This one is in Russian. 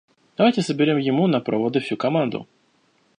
Давайте соберем ему на проводы всю команду.